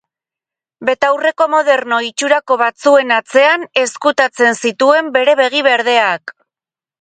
Betaurreko moderno itxurako batzuen atzean ezkutatzen zituen bere begi berdeak.